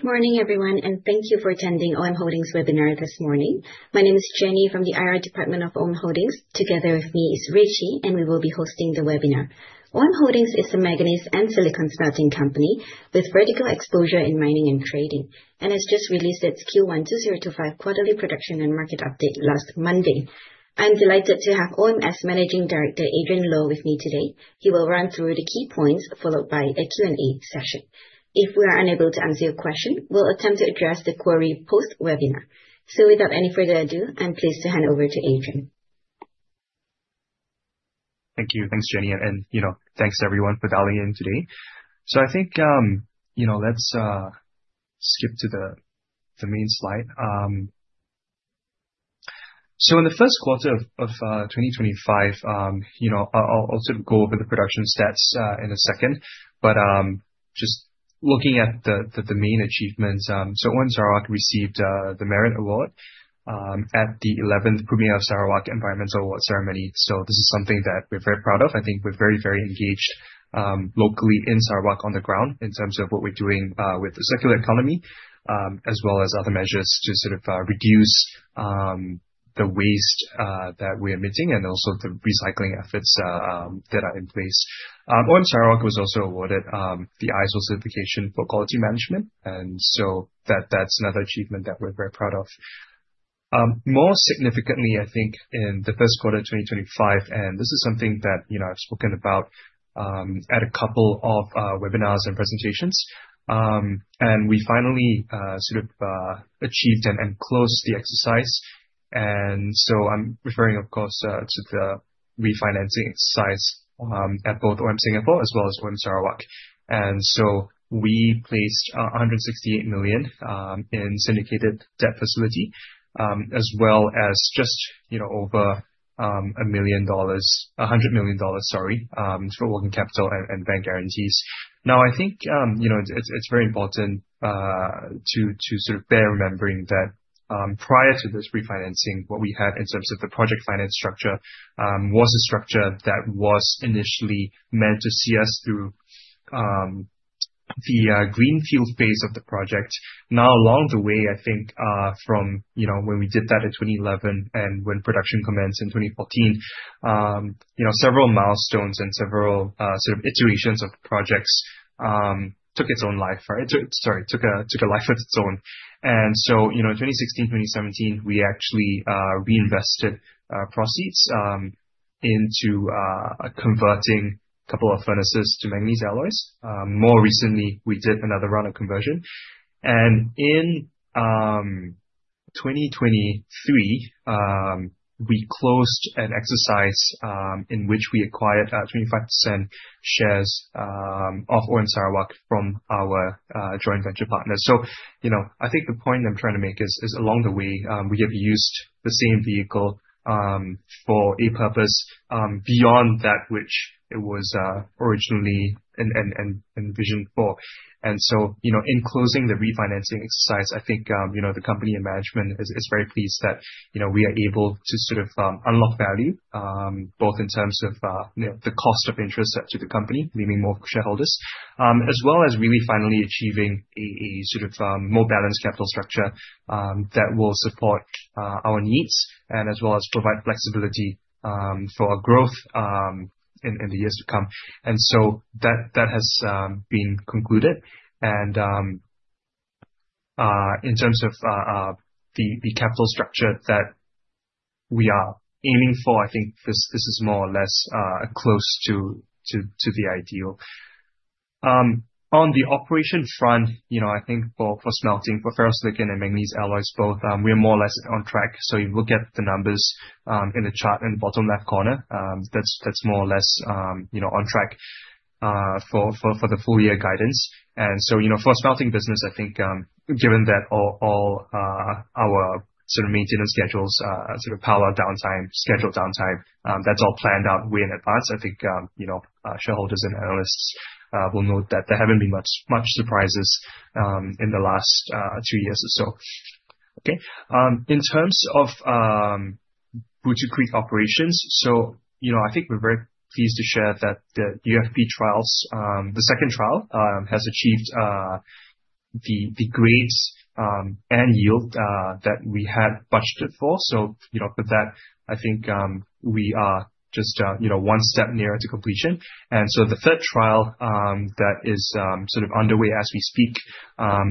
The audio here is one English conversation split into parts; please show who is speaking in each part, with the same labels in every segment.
Speaker 1: Good morning, everyone, and thank you for attending OM Holdings' Webinar this morning. My name is Jenny from the IR Department of OM Holdings. Together with me is Rishi, and we will be hosting the webinar. OM Holdings is a manganese and silicon smelting company with vertical exposure in mining and trading, and has just released its Q1-2025 quarterly production and market update last Monday. I'm delighted to have OM Sarawak Managing Director Adrian Low with me today. He will run through the key points, followed by a Q&A session. If we are unable to answer your question, we'll attempt to address the query post-webinar. Without any further ado, I'm pleased to hand over to Adrian.
Speaker 2: Thank you. Thanks, Jenny. And, you know, thanks to everyone for dialing in today. I think, you know, let's skip to the main slide. In the 1st quarter of 2025, you know, I'll sort of go over the production stats in a second, but just looking at the main achievements, OM Sarawak received the Merit Award at the 11th Premier Sarawak Environmental Award Ceremony. This is something that we're very proud of. I think we're very, very engaged locally in Sarawak on the ground in terms of what we're doing with the circular economy, as well as other measures to sort of reduce the waste that we're emitting and also the recycling efforts that are in place. OM Sarawak was also awarded the ISO certification for quality management, and so that's another achievement that we're very proud of. More significantly, I think, in the 1st quarter of 2025, and this is something that, you know, I've spoken about at a couple of webinars and presentations, we finally sort of achieved and closed the exercise. I am referring, of course, to the refinancing exercise at both OM Singapore as well as OM Sarawak. We placed $168 million in syndicated debt facility, as well as just, you know, over $100 million, sorry, for working capital and bank guarantees. Now, I think, you know, it's very important to sort of bear in mind that prior to this refinancing, what we had in terms of the project finance structure was a structure that was initially meant to see us through the greenfield phase of the project. Now, along the way, I think, from, you know, when we did that in 2011 and when production commenced in 2014, you know, several milestones and several sort of iterations of projects took a life of its own. You know, in 2016, 2017, we actually reinvested proceeds into converting a couple of furnaces to manganese alloys. More recently, we did another round of conversion. In 2023, we closed an exercise in which we acquired 25% shares of OM Sarawak from our joint venture partners. You know, I think the point I'm trying to make is, along the way, we have used the same vehicle for a purpose beyond that which it was originally envisioned for. You know, in closing the refinancing exercise, I think, you know, the company and management is very pleased that, you know, we are able to sort of unlock value, both in terms of the cost of interest to the company, leaving more shareholders, as well as really finally achieving a sort of more balanced capital structure that will support our needs and as well as provide flexibility for our growth in the years to come. That has been concluded. In terms of the capital structure that we are aiming for, I think this is more or less close to the ideal. On the operation front, you know, I think for smelting, for ferro-silicon and manganese alloys, both, we are more or less on track. You will get the numbers in the chart in the bottom left corner. That's more or less, you know, on track for the full-year guidance. And so, you know, for a smelting business, I think, given that all our sort of maintenance schedules, sort of power downtime, schedule downtime, that's all planned out way in advance. I think, you know, shareholders and analysts will note that there haven't been much surprises in the last two years or so. Okay. In terms of Bootu Creek operations, so, you know, I think we're very pleased to share that the UFP trials, the second trial, has achieved the grades and yield that we had budgeted for. So, you know, with that, I think we are just, you know, one step nearer to completion. And so, the third trial that is sort of underway as we speak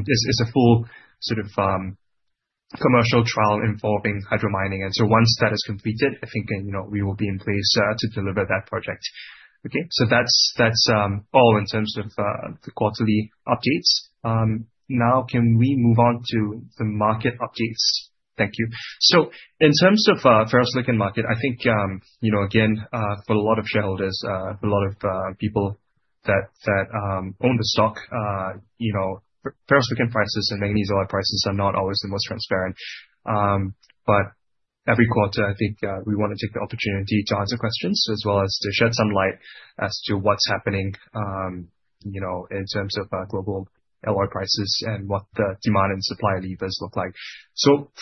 Speaker 2: is a full sort of commercial trial involving hydromining. Once that is completed, I think, you know, we will be in place to deliver that project. Okay. That is all in terms of the quarterly updates. Now, can we move on to the market updates? Thank you. In terms of the ferro-silicon market, I think, you know, again, for a lot of shareholders, a lot of people that own the stock, you know, ferro-silicon prices and manganese alloy prices are not always the most transparent. Every quarter, I think we want to take the opportunity to answer questions as well as to shed some light as to what is happening, you know, in terms of global alloy prices and what the demand and supply levers look like.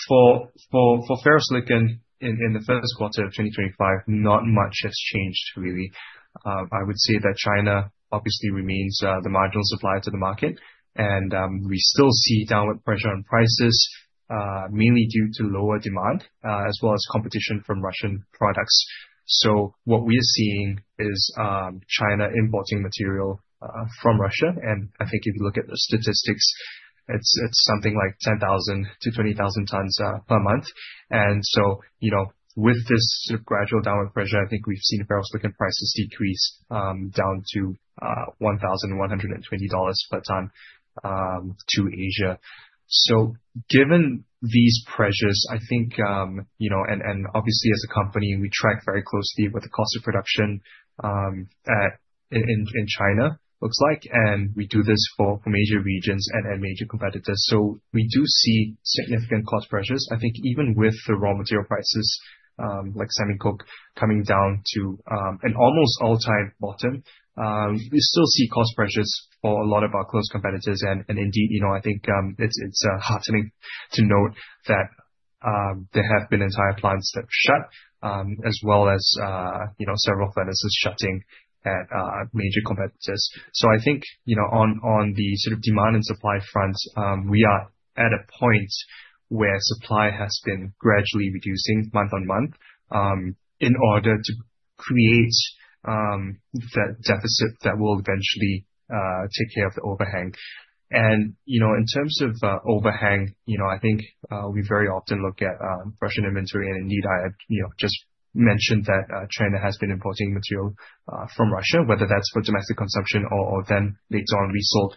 Speaker 2: For ferro-silicon in the 1st quarter of 2025, not much has changed, really. I would say that China obviously remains the marginal supplier to the market, and we still see downward pressure on prices, mainly due to lower demand, as well as competition from Russian products. What we are seeing is China importing material from Russia. I think if you look at the statistics, it's something like 10,000-20,000 tons per month. You know, with this sort of gradual downward pressure, I think we've seen ferro-silicon prices decrease down to $1,120 per ton to Asia. Given these pressures, I think, you know, and obviously as a company, we track very closely what the cost of production in China looks like, and we do this for major regions and major competitors. We do see significant cost pressures. I think even with the raw material prices, like semicoke, coming down to an almost all-time bottom, we still see cost pressures for a lot of our close competitors. I think it's heartening to note that there have been entire plants that shut, as well as several furnaces shutting at major competitors. I think, on the sort of demand and supply front, we are at a point where supply has been gradually reducing month on month in order to create that deficit that will eventually take care of the overhang. In terms of overhang, I think we very often look at Russian inventory. I had just mentioned that China has been importing material from Russia, whether that's for domestic consumption or then later on resold.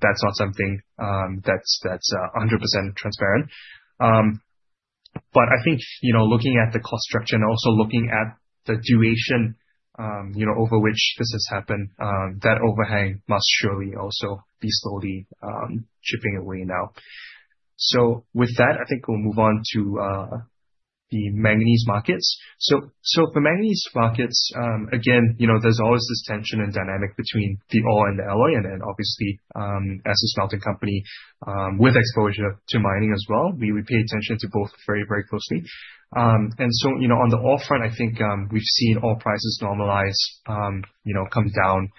Speaker 2: That's not something that's 100% transparent. I think, you know, looking at the cost structure and also looking at the duration, you know, over which this has happened, that overhang must surely also be slowly chipping away now. With that, I think we'll move on to the manganese markets. For manganese markets, again, you know, there's always this tension and dynamic between the ore and the alloy. Obviously, as a smelting company with exposure to mining as well, we pay attention to both very, very closely. You know, on the ore front, I think we've seen ore prices normalize, you know, come down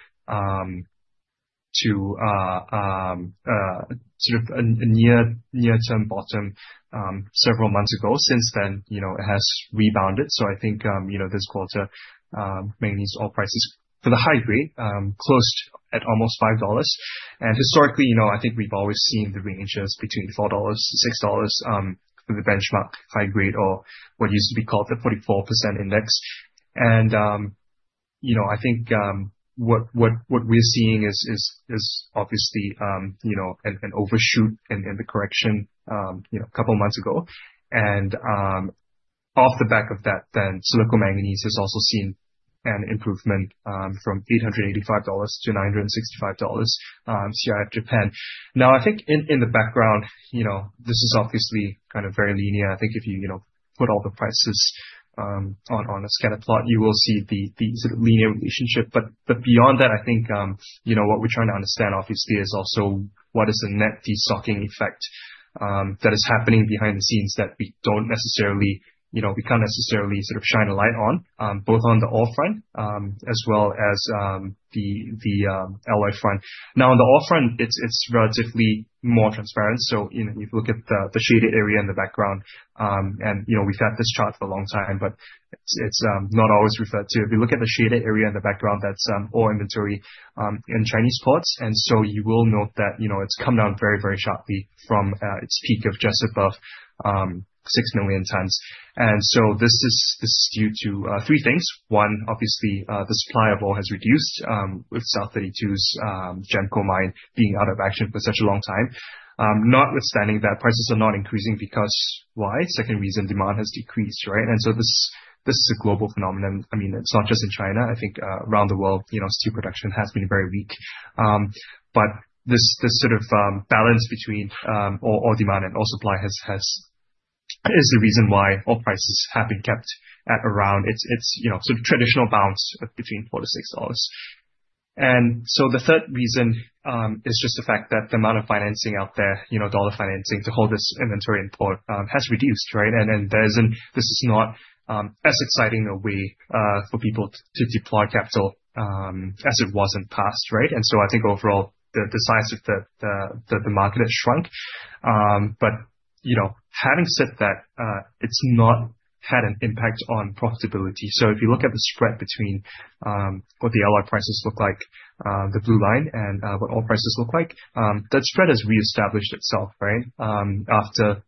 Speaker 2: to sort of a near-term bottom several months ago. Since then, you know, it has rebounded. I think, you know, this quarter, manganese ore prices for the high grade closed at almost $5. Historically, you know, I think we've always seen the ranges between $4-$6 for the benchmark high grade or what used to be called the 44% index. You know, I think what we're seeing is obviously, you know, an overshoot in the correction, you know, a couple of months ago. Off the back of that, silicon manganese has also seen an improvement from $885-$965 CIF Japan. I think in the background, you know, this is obviously kind of very linear. I think if you, you know, put all the prices on a scatter plot, you will see the sort of linear relationship. Beyond that, I think, you know, what we're trying to understand, obviously, is also what is the net de-stocking effect that is happening behind the scenes that we don't necessarily, you know, we can't necessarily sort of shine a light on, both on the ore front as well as the alloy front. Now, on the ore front, it's relatively more transparent. You know, if you look at the shaded area in the background, and, you know, we've had this chart for a long time, but it's not always referred to. If you look at the shaded area in the background, that's ore inventory in Chinese ports. You will note that, you know, it's come down very, very sharply from its peak of just above 6 million tons. This is due to three things. One, obviously, the supply of ore has reduced with South32's GEMCO mine being out of action for such a long time. Notwithstanding that, prices are not increasing because why? Second reason, demand has decreased, right? This is a global phenomenon. I mean, it's not just in China. I think around the world, you know, steel production has been very weak. This sort of balance between ore demand and ore supply is the reason why ore prices have been kept at around its, you know, sort of traditional bounds between $4-$6. The third reason is just the fact that the amount of financing out there, you know, dollar financing to hold this inventory in port has reduced, right? This is not as exciting a way for people to deploy capital as it was in the past, right? I think overall, the size of the market has shrunk. You know, having said that, it's not had an impact on profitability. If you look at the spread between what the alloy prices look like, the blue line, and what ore prices look like, that spread has reestablished itself, right, after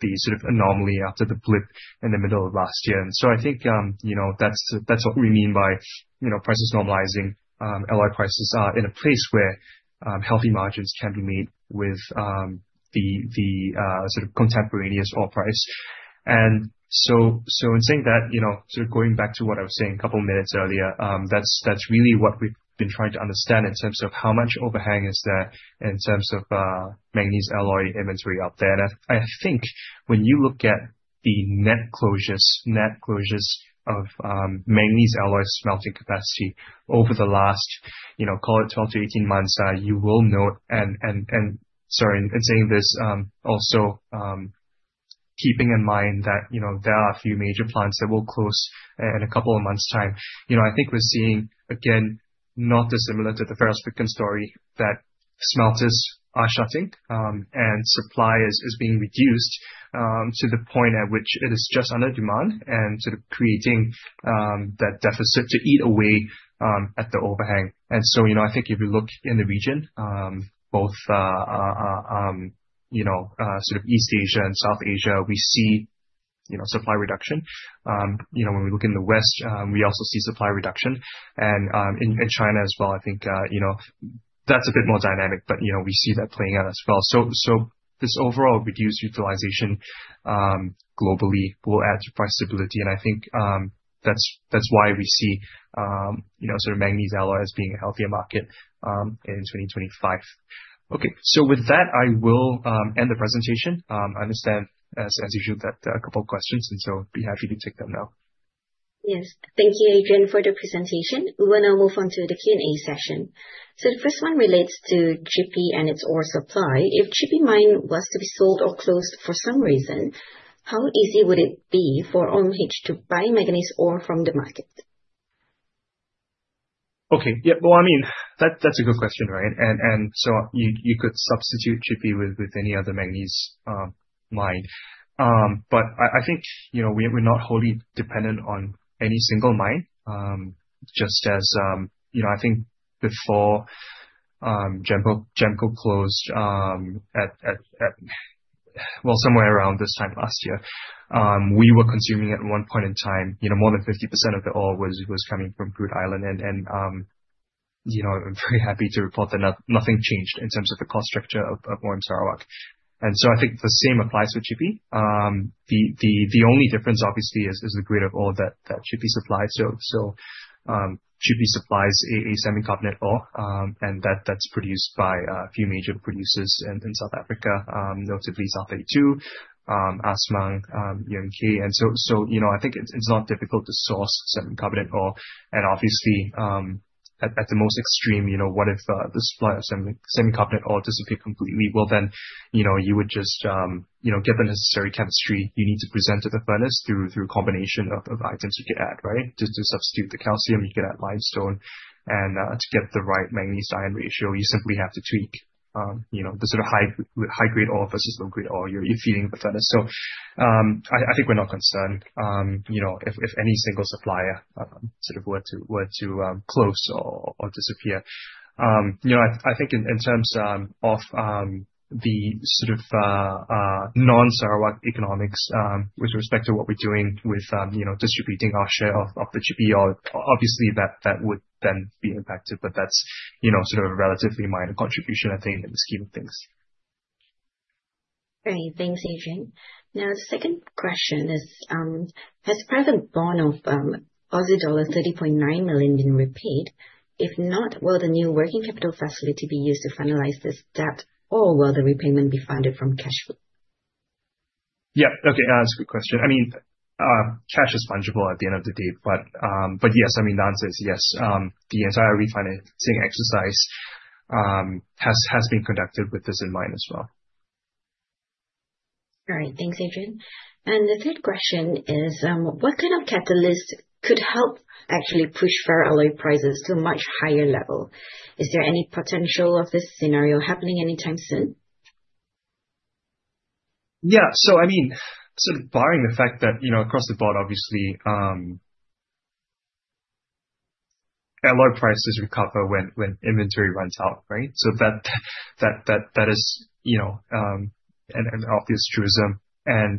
Speaker 2: the sort of anomaly, after the blip in the middle of last year. I think, you know, that's what we mean by, you know, prices normalizing, alloy prices are in a place where healthy margins can be made with the sort of contemporaneous ore price. In saying that, you know, sort of going back to what I was saying a couple of minutes earlier, that's really what we've been trying to understand in terms of how much overhang is there in terms of manganese alloy inventory out there. I think when you look at the net closures, net closures of manganese alloy smelting capacity over the last, you know, call it 12 to 18 months, you will note, and sorry, in saying this, also keeping in mind that, you know, there are a few major plants that will close in a couple of months' time. You know, I think we're seeing, again, not dissimilar to the ferro-silicon story, that smelters are shutting and supply is being reduced to the point at which it is just under demand and sort of creating that deficit to eat away at the overhang. You know, I think if you look in the region, both, you know, sort of East Asia and South Asia, we see, you know, supply reduction. You know, when we look in the West, we also see supply reduction. In China as well, I think, you know, that's a bit more dynamic, but, you know, we see that playing out as well. This overall reduced utilization globally will add to price stability. I think that's why we see, you know, sort of manganese alloy as being a healthier market in 2025. Okay. With that, I will end the presentation. I understand, as usual, that a couple of questions, and so, I'd be happy to take them now.
Speaker 1: Yes. Thank you, Adrian, for the presentation. We will now move on to the Q&A session. The first one relates to Chippy and its ore supply. If Chippy mine was to be sold or closed for some reason, how easy would it be for OMH to buy manganese ore from the market?
Speaker 2: Okay. Yeah. I mean, that's a good question, right? You could substitute Chippy with any other manganese mine. I think, you know, we're not wholly dependent on any single mine. Just as, you know, I think before GEMCO closed at, somewhere around this time last year, we were consuming at one point in time, you know, more than 50% of the ore was coming from Groote Eylandt. I'm very happy to report that nothing changed in terms of the cost structure of OM Sarawak. I think the same applies for Chippy. The only difference, obviously, is the grade of ore that Chippy supplies. Chippy supplies a semicarbonate ore, and that's produced by a few major producers in South Africa, notably South32, Assmang, and UMK. I think it's not difficult to source semicarbonate ore. Obviously, at the most extreme, you know, what if the supply of semicarbonate ore disappeared completely? You know, you would just, you know, get the necessary chemistry you need to present to the furnace through a combination of items you could add, right? To substitute the calcium, you could add limestone. To get the right manganese-iron ratio, you simply have to tweak, you know, the sort of high-grade ore versus low-grade ore you're feeding the furnace. I think we're not concerned, you know, if any single supplier sort of were to close or disappear. I think in terms of the sort of non-Sarawak economics, with respect to what we're doing with, you know, distributing our share of the Chippy, obviously, that would then be impacted. That's, you know, sort of a relatively minor contribution, I think, in the scheme of things.
Speaker 1: Great. Thanks, Adrian. Now, the second question is, has private bond of Aussie dollar 30.9 million been repaid? If not, will the new working capital facility be used to finalize this debt, or will the repayment be funded from cash flow?
Speaker 2: Yeah. Okay. That's a good question. I mean, cash is fungible at the end of the day. Yes, I mean, the answer is yes. The entire refinancing exercise has been conducted with this in mind as well.
Speaker 1: All right. Thanks, Adrian. The third question is, what kind of catalyst could help actually push ferro alloy prices to a much higher level? Is there any potential of this scenario happening anytime soon?
Speaker 2: Yeah. I mean, sort of barring the fact that, you know, across the board, obviously, alloy prices recover when inventory runs out, right? That is, you know, an obvious truism. I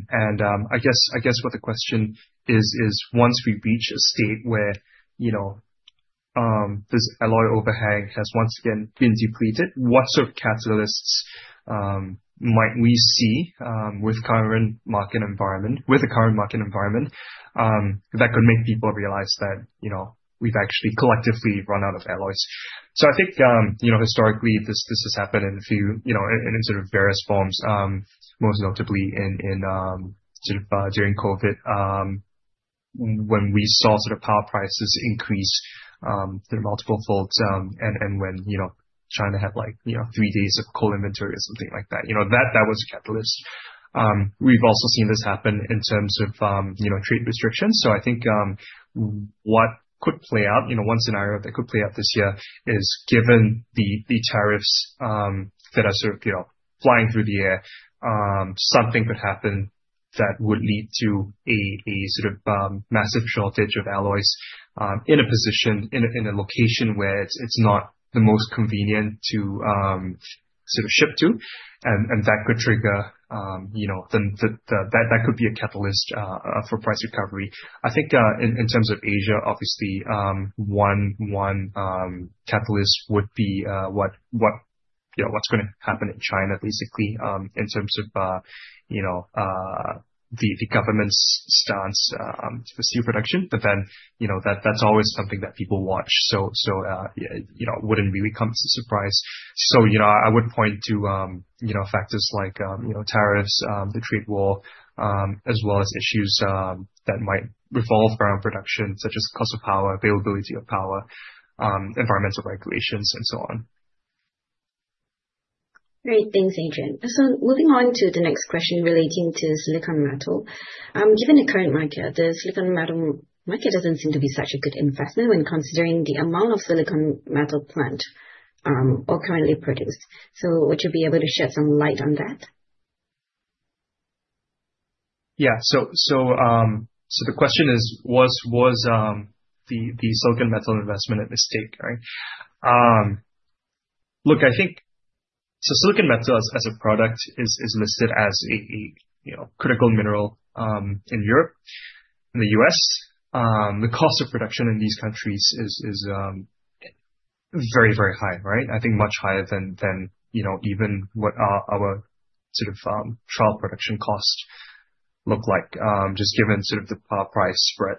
Speaker 2: guess what the question is, is once we reach a state where, you know, this alloy overhang has once again been depleted, what sort of catalysts might we see with the current market environment, with the current market environment, that could make people realize that, you know, we've actually collectively run out of alloys? I think, you know, historically, this has happened in a few, you know, in sort of various forms, most notably in sort of during COVID, when we saw sort of power prices increase through multiple faults, and when, you know, China had like, you know, three days of coal inventory or something like that. You know, that was a catalyst. We've also seen this happen in terms of, you know, trade restrictions. I think what could play out, you know, one scenario that could play out this year is given the tariffs that are sort of, you know, flying through the air, something could happen that would lead to a sort of massive shortage of alloys in a position, in a location where it's not the most convenient to sort of ship to. That could trigger, you know, that could be a catalyst for price recovery. I think in terms of Asia, obviously, one catalyst would be what, you know, what's going to happen in China, basically, in terms of, you know, the government's stance to steel production. Then, you know, that's always something that people watch. You know, it wouldn't really come as a surprise. You know, I would point to, you know, factors like, you know, tariffs, the trade war, as well as issues that might revolve around production, such as the cost of power, availability of power, environmental regulations, and so on.
Speaker 1: Great. Thanks, Adrian. Moving on to the next question relating to silicon metal. Given the current market, the silicon metal market does not seem to be such a good investment when considering the amount of silicon metal plant or currently produced. Would you be able to shed some light on that?
Speaker 2: Yeah. The question is, was the silicon metal investment a mistake, right? Look, I think, so silicon metal as a product is listed as a critical mineral in Europe, in the U.S. The cost of production in these countries is very, very high, right? I think much higher than, you know, even what our sort of trial production costs look like, just given sort of the power price spread.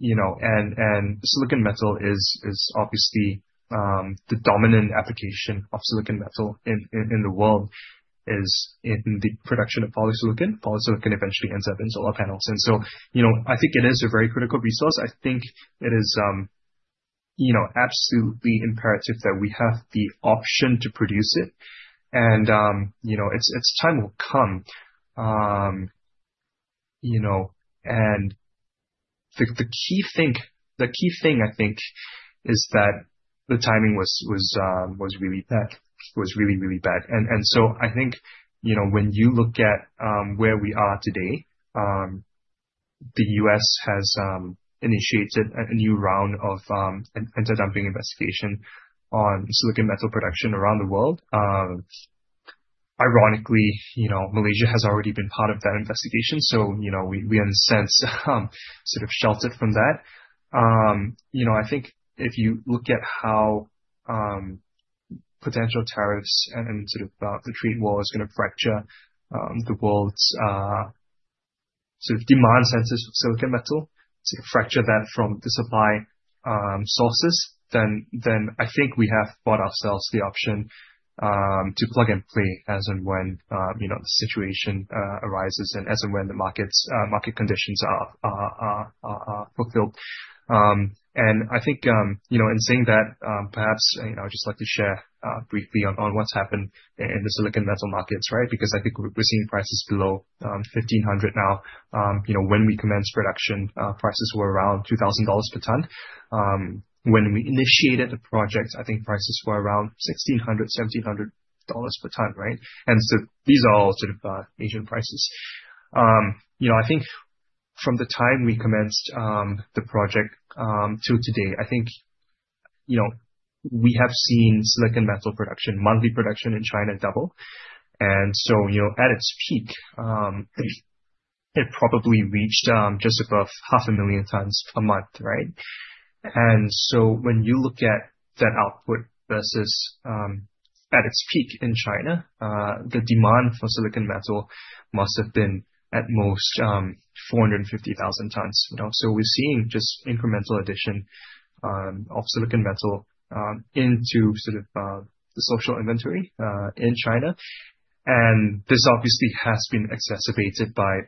Speaker 2: You know, and silicon metal is obviously the dominant application of silicon metal in the world is in the production of polysilicon. Polysilicon eventually ends up in solar panels. You know, I think it is a very critical resource. I think it is, you know, absolutely imperative that we have the option to produce it. You know, its time will come. The key thing, the key thing, I think, is that the timing was really bad, was really, really bad. I think, you know, when you look at where we are today, the U.S. has initiated a new round of antidumping investigation on silicon metal production around the world. Ironically, you know, Malaysia has already been part of that investigation. So, you know, we in a sense sort of sheltered from that. You know, I think if you look at how potential tariffs and sort of the trade war is going to fracture the world's sort of demand centers for silicon metal, sort of fracture that from the supply sources, then I think we have bought ourselves the option to plug and play as and when, you know, the situation arises and as and when the market conditions are fulfilled. I think, you know, in saying that, perhaps, you know, I'd just like to share briefly on what's happened in the silicon metal markets, right? Because I think we're seeing prices below $1,500 now. You know, when we commenced production, prices were around $2,000 per ton. When we initiated the project, I think prices were around $1,600, $1,700 per ton, right? These are all sort of major prices. You know, I think from the time we commenced the project till today, I think, you know, we have seen silicon metal production, monthly production in China double. You know, at its peak, it probably reached just above 500,000 tons a month, right? When you look at that output versus at its peak in China, the demand for silicon metal must have been at most 450,000 tons, you know? We are seeing just incremental addition of silicon metal into sort of the social inventory in China. This obviously has been exacerbated by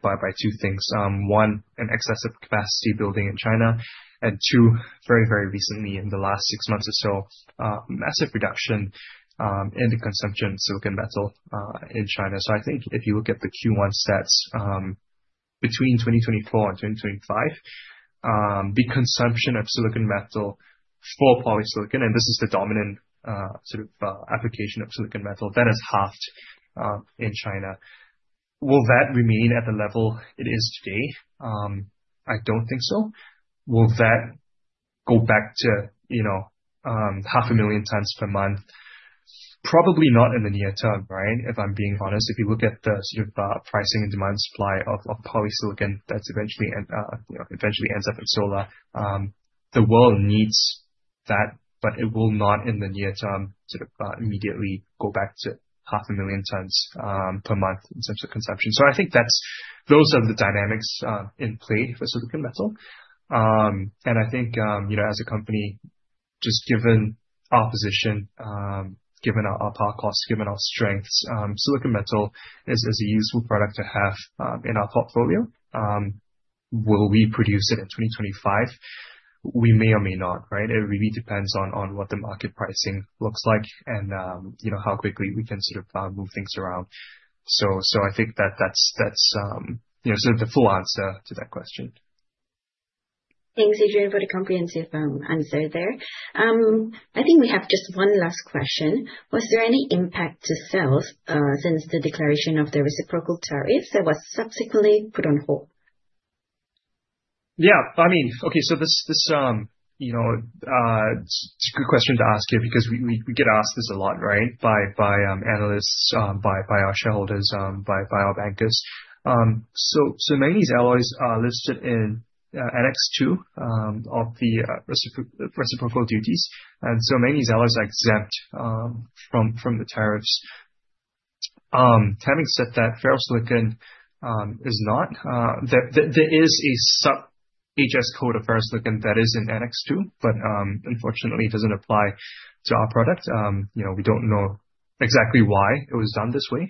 Speaker 2: two things. One, an excessive capacity building in China. Very, very recently, in the last six months or so, massive reduction in the consumption of silicon metal in China. I think if you look at the Q1 stats, between 2024 and 2025, the consumption of silicon metal for polysilicon, and this is the dominant sort of application of silicon metal, that has halved in China. Will that remain at the level it is today? I don't think so. Will that go back to, you know, 500,000 tons per month? Probably not in the near term, right? If I'm being honest, if you look at the sort of pricing and demand supply of polysilicon that eventually ends up in solar, the world needs that, but it will not in the near term sort of immediately go back to 500,000 tons per month in terms of consumption. I think those are the dynamics in play for silicon metal. I think, you know, as a company, just given our position, given our power costs, given our strengths, silicon metal is a useful product to have in our portfolio. Will we produce it in 2025? We may or may not, right? It really depends on what the market pricing looks like and, you know, how quickly we can sort of move things around. I think that that's, you know, sort of the full answer to that question.
Speaker 1: Thanks, Adrian, for the comprehensive answer there. I think we have just one last question. Was there any impact to sales since the declaration of the reciprocal tariffs that was subsequently put on hold?
Speaker 2: Yeah. I mean, okay. This is a good question to ask here because we get asked this a lot, right? By analysts, by our shareholders, by our bankers. Manganese alloys are listed in Annex II of the reciprocal duties. Manganese alloys are exempt from the tariffs. Having said that, ferro-silicon is not. There is a sub-HS code of ferro-silicon that is in Annex II, but unfortunately, it does not apply to our product. You know, we do not know exactly why it was done this way.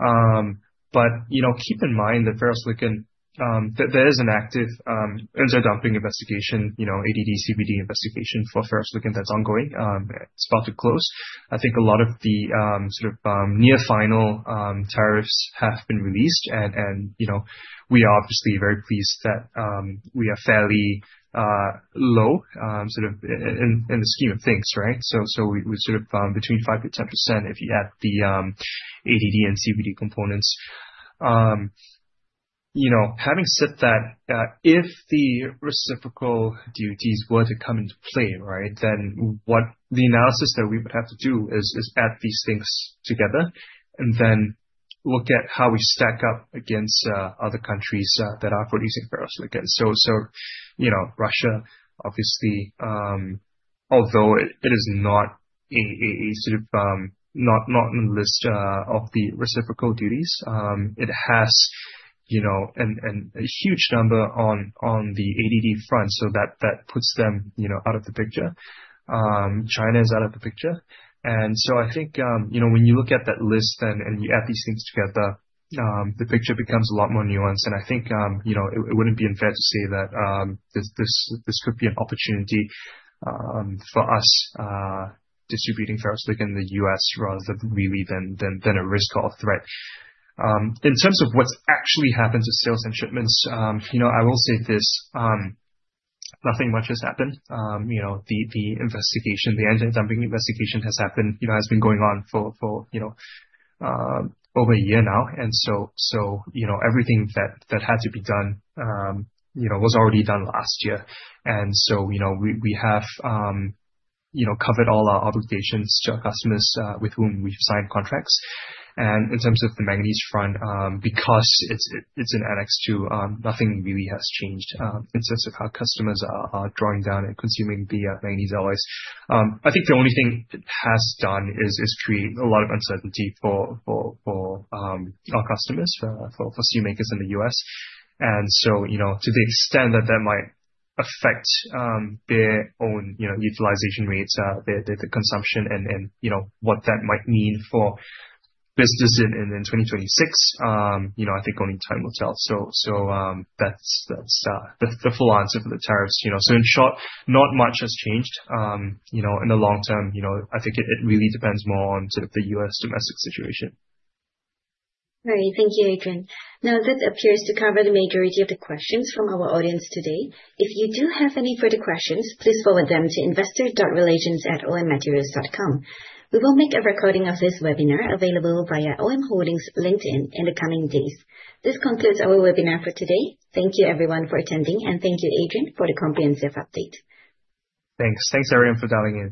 Speaker 2: You know, keep in mind that ferro-silicon, there is an active antidumping investigation, you know, ADD-CBD investigation for ferro-silicon that is ongoing. It is about to close. I think a lot of the sort of near-final tariffs have been released. You know, we are obviously very pleased that we are fairly low sort of in the scheme of things, right? We are sort of between 5%-10% if you add the ADD and CBD components. You know, having said that, if the reciprocal duties were to come into play, right, then what the analysis that we would have to do is add these things together and then look at how we stack up against other countries that are producing ferro-silicon. You know, Russia, obviously, although it is not a sort of not on the list of the reciprocal duties, it has, you know, a huge number on the ADD front. That puts them, you know, out of the picture. China is out of the picture. I think, you know, when you look at that list and you add these things together, the picture becomes a lot more nuanced. I think, you know, it wouldn't be unfair to say that this could be an opportunity for us distributing ferro-silicon in the US rather than really than a risk or a threat. In terms of what's actually happened to sales and shipments, you know, I will say this. Nothing much has happened. You know, the investigation, the antidumping investigation has happened, you know, has been going on for, you know, over a year now. You know, everything that had to be done, you know, was already done last year. You know, we have, you know, covered all our obligations to our customers with whom we've signed contracts. In terms of the manganese front, because it's in Annex II, nothing really has changed in terms of how customers are drawing down and consuming the manganese alloys. I think the only thing it has done is create a lot of uncertainty for our customers, for steel makers in the U.S. You know, to the extent that that might affect their own, you know, utilization rates, their consumption and, you know, what that might mean for business in 2026, you know, I think only time will tell. That is the full answer for the tariffs, you know. In short, not much has changed, you know, in the long term, you know, I think it really depends more on sort of the U.S. domestic situation.
Speaker 1: Great. Thank you, Adrian. Now, that appears to cover the majority of the questions from our audience today. If you do have any further questions, please forward them to investor.relations@ommaterials.com. We will make a recording of this webinar available via OM Holdings' LinkedIn in the coming days. This concludes our webinar for today. Thank you, everyone, for attending, and thank you, Adrian, for the comprehensive update.
Speaker 2: Thanks. Thanks, everyone, for dialing in.